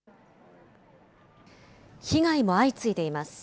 被害も相次いでいます。